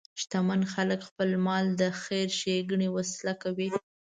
شتمن خلک خپل مال د خیر ښیګڼې وسیله کوي.